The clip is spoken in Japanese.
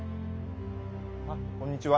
あこんにちは。